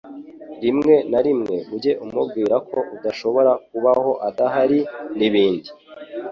Rimwe na rimwe ujye umubwira ko udashobora kubaho adahari, n’ibindi